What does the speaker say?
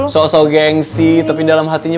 so so geng sih tapi dalam hatinya